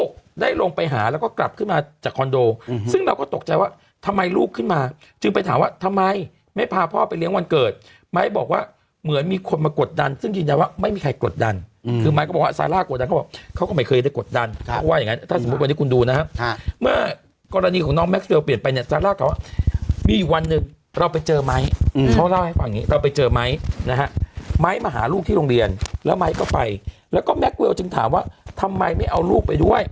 ก็กลับขึ้นมาจากคอนโดซึ่งเราก็ตกใจว่าทำไมลูกขึ้นมาจึงไปถามว่าทำไมไม่พาพ่อไปเลี้ยงวันเกิดไม้บอกว่าเหมือนมีคนมากดดันซึ่งยืนใจว่าไม่มีใครกดดันคือไม้ก็บอกว่าซาร่ากดดันเขาก็บอกเขาก็ไม่เคยได้กดดันเพราะว่าอย่างนั้นถ้าสมมุติวันนี้คุณดูนะครับเมื่อกรณีของน้องแม็กเวลเปลี่ยนไปเนี่ยซาร่าก